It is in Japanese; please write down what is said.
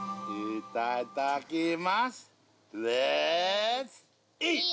いただきます。